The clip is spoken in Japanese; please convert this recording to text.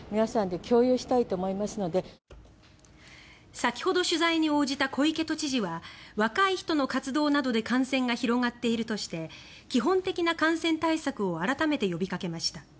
先ほど取材に応じた小池都知事は若い人の活動などで感染が広がっているとして基本的な感染対策を改めて呼びかけました。